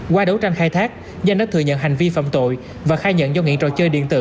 qua đấu tranh khai thác danh đã thừa nhận hành vi phạm tội và khai nhận do nghiện trò chơi điện tử